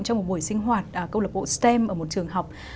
trong một buổi sinh hoạt câu lạc bộ stem ở một trường học